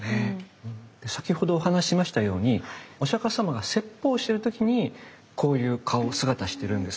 先ほどお話しましたようにお釈様が説法してる時にこういう顔・姿してるんですね。